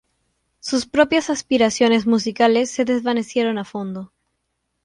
Sus propias aspiraciones musicales se desvanecieron a fondo.